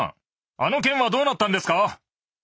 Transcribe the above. あの件はどうなったんですか？